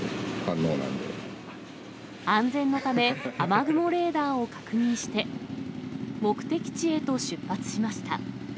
安全のため、雨雲レーダーを確認して、目的地へと出発しました。